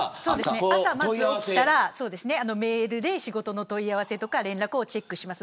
朝起きたら、まずメールで仕事の問い合わせや連絡をチェックします。